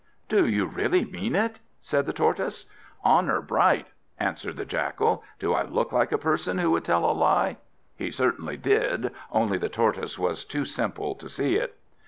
"Do you really mean it?" said the Tortoise. "Honour bright," answered the Jackal; "do I look like a person who would tell a lie?" He certainly did, only the Tortoise was too simple to see it.